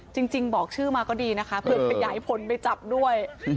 จริงบอกชื่อมาก็ดีนะคะเผื่อขยายผลไปจับด้วย